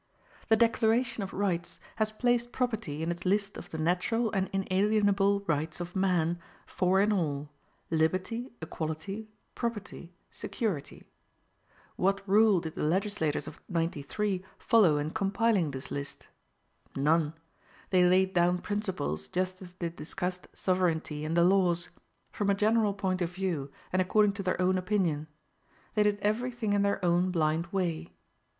The Declaration of Rights has placed property in its list of the natural and inalienable rights of man, four in all: LIBERTY, EQUALITY, PROPERTY, SECURITY. What rule did the legislators of '93 follow in compiling this list? None. They laid down principles, just as they discussed sovereignty and the laws; from a general point of view, and according to their own opinion. They did every thing in their own blind way.